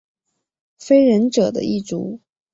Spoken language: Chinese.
非人者的一族。